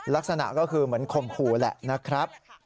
ลักษณะก็คือเหมือนข่มขู่แหละนะครับ